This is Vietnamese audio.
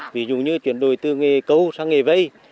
ví dụ như chuyển đổi từ nghề câu sang nghề vây